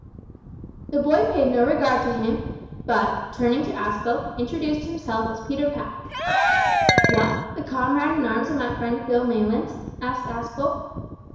The boy paid no regard to him, but, turning to Aspel, introduced himself as Peter Pax. "What! the comrade in arms of my friend Phil Maylands?" asked Aspel.